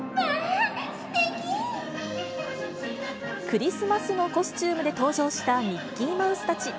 クリスマスのコスチュームで登場したミッキーマウスたち。